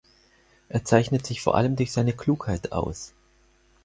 Er zeichnet sich vor allem durch seine Klugheit aus.